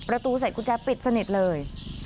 ประตูใส่กุญแจปิดสนิทเลย